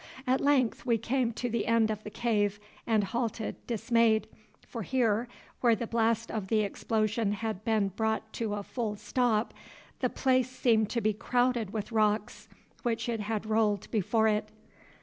At length we came to the end of the cave, and halted dismayed, for here, where the blast of the explosion had been brought to a full stop, the place seemed to be crowded with rocks which it had rolled before it.